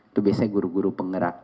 itu biasanya guru guru penggerak